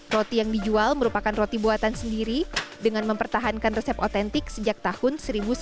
roti yang dijual merupakan roti buatan sendiri dengan mempertahankan resep otentik sejak tahun seribu sembilan ratus sembilan puluh